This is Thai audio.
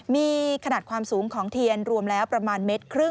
มีขนาดความสูงของเทียนรวมแล้วประมาณเมตรครึ่ง